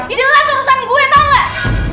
ini adalah urusan gue tau gak